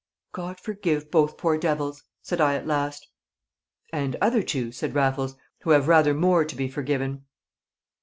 "God forgive both poor devils!" said I at last. "And other two," said Raffles, "who have rather more to be forgiven."